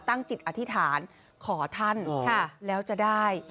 ตั้งจิตอธิษฐานขอท่านแล้วจะได้